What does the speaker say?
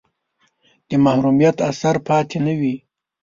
د محرومیت اثر پاتې نه وي.